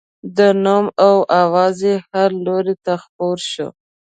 د نوم او اوازې یې هر لوري ته خپور شو.